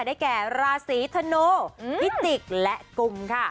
ได้แก่ราศีธนูพิจิกษ์และกุมค่ะ